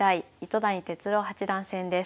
糸谷哲郎八段戦です。